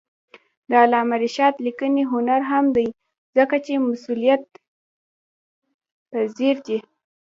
د علامه رشاد لیکنی هنر مهم دی ځکه چې مسئولیتپذیر دی.